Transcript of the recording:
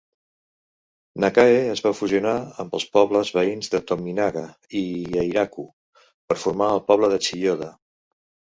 Nakae es va fusionar amb els pobles veïns de Tominaga i Eiraku per formar el poble de Chiyoda.